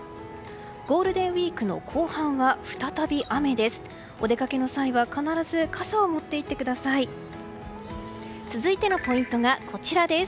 ゴールデンウィークの後半は再び雨です。